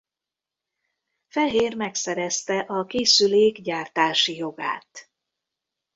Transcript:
Fehér megszerezte a készülék gyártási jogát.